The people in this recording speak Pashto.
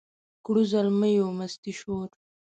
کړو زلمیو مستي شور